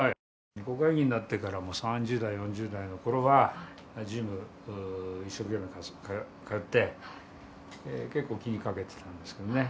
国会議員になってから３０代、４０代のころはジム、一生懸命通って結構気にかけてたんですけどね。